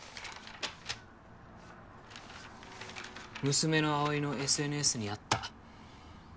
娘の葵のＳＮＳにあった。